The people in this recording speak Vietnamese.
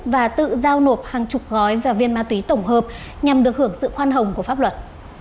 và tự giao nộp hàng chục gói và viên ma túy tổng hợp nhằm được hưởng sự khoan hồng của pháp luật